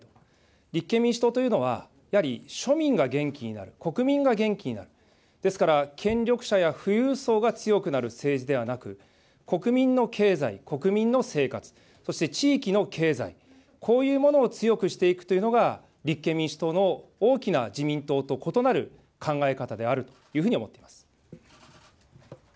立憲民主党というのは、やはり庶民が元気になる、国民が元気になる、ですから権力者や富裕層が強くなる政治ではなく、国民の経済、国民の生活、そして地域の経済、こういうものを強くしていくというのが、立憲民主党の、大きな自民党と異なる考え方であるというふうに思っています。